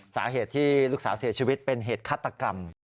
สาเหตุที่ลูกสาวเสียชีวิตเป็นเหตุฆาตกรรม